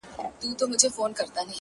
هغوو ته ځکه تر لیلامه پوري پاته نه سوم!